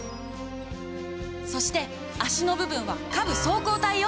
そして足の部分は下部走行体よ！